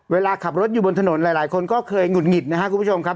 เวลาขับรถอยู่บนถนนหลายคนก็เคยหงุดหงิดนะครับคุณผู้ชมครับ